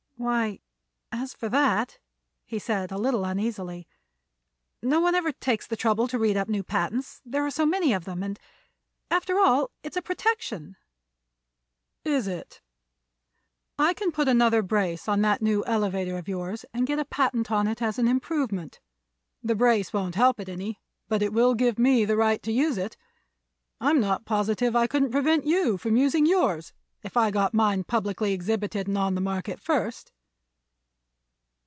"Why, as for that," he said a little uneasily, "no one ever takes the trouble to read up new patents, there are so many of them. And, after all, it's a protection." "Is it? I can put another brace in that new elevator of yours and get a patent on it as an improvement. The brace won't help it any, but it will give me the right to use it. I'm not positive I couldn't prevent you from using yours, if I got mine publicly exhibited and on the market first."